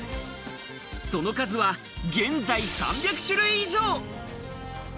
その数は現在３００種類以上。